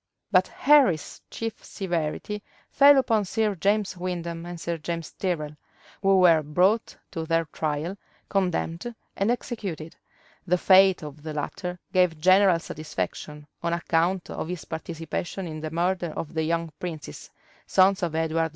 But Henry's chief severity fell upon Sir James Windham and Sir James Tyrrel, who were brought to their trial, condemned, and executed: the fate of the latter gave general satisfaction, on account of his participation in the murder of the young princes, sons of Edward IV.